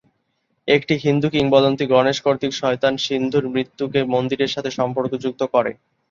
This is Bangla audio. একটি হিন্দু কিংবদন্তি গণেশ কর্তৃক শয়তান সিন্ধুর মৃত্যুকে মন্দিরের সাথে সম্পর্কযুক্ত করে।